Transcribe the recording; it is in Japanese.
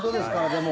でも。